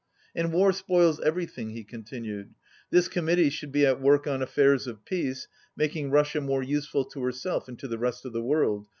"And war spoils everything," he continued. "This committee should be at work on affairs of peace, making Russia more useful to herself and to the rest of the world.